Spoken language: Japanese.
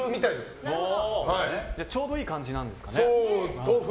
ちょうどいい感じなんですね。